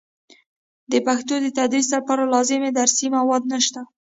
د پښتو د تدریس لپاره لازم درسي مواد نشته.